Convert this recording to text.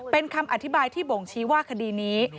เป็นคำอธิบายที่บ่งชี้ว่าคดีนี้